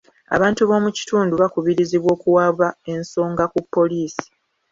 Abantu b'omu kitundu bakubirizibwa okuwaaba ensonga ku poliisi.